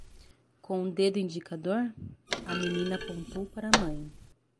Com o dedo indicador?, a menininha apontou para a mãe.